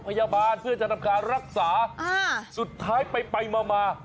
พยาบาลเพื่อจะทำการรักษาอ่าสุดท้ายไปไปมามา